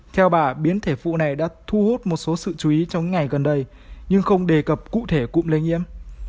theo bà biến thể phụ này đã thu hút một số sự chú ý trong những ngày gần đây nhưng không đề cập cụ thể cụm lây nhiễm